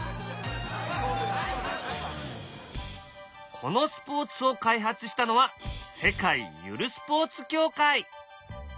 このスポーツを開発したのは世界ゆるスポーツ協会。